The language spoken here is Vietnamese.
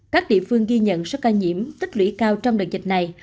các địa phương ghi nhận số ca nhiễm tích lũy cao trong đợt dịch này